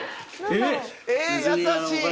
えっ！？